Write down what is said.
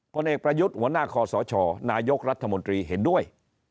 ผลเอกประยุทธ์หัวหน้าคอสชนายกรัฐมนตรีเห็นด้วย